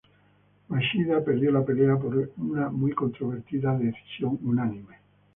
Machida perdió la pelea por una muy controvertida decisión unánime.